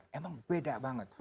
emang beda banget